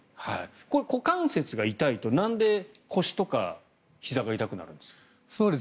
これ、股関節が痛いとなんで腰とかひざが痛くなるんですか？